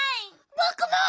ぼくも！